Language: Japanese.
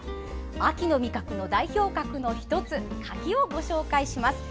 秋の味覚の代表格の１つ柿をご紹介します。